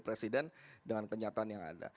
presiden dengan kenyataan yang ada